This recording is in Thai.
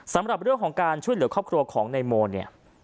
สำหรับเรื่องของการช่วยเหลือครอบครัวของนายโมเนี่ย